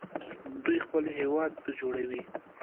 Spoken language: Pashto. دوی خپل هیواد جوړوي.